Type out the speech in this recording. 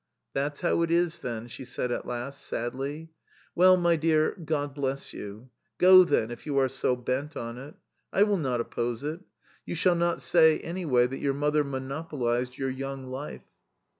" That's how it is, then !" she said at last, sadly. " Well, my dear, God bless you ! Go, then, if you are so bent on it. I will not oppose it. You shall not say anyway that your mother monopolised your young life.